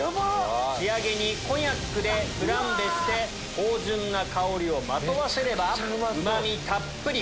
仕上げにコニャックでフランベして芳醇な香りをまとわせればうまみたっぷり！